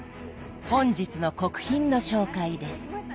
本日の国賓の紹介です。